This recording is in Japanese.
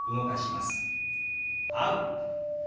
「会う」。